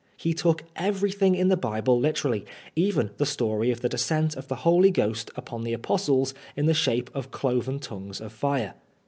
He took everything in the Bible literally, even the story of the descent of the Holy Ghost upon the apostles in the shape of cloven tongues of fire.